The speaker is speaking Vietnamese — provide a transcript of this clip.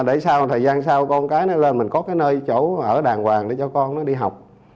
để sau thời gian sau con cái nó lên mình có cái nơi chỗ ở đàng hoàng để cho con nó đi học